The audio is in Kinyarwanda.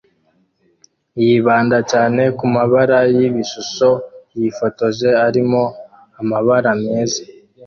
yibanda cyane kumabara yibishusho yifotoje arimo amabara meza